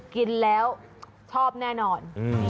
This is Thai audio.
กินแล้วชอบแน่นอน